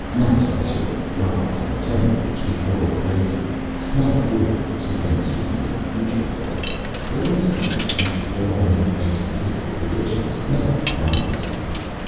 Not some sort of gods in a temple which we go and pray to. Not oracles who can see into the future for us. They don't see into the future. They only make statistical predictions not prophecies.